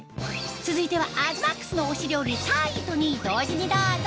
続いては東ＭＡＸの推し料理３位と２位同時にどうぞ！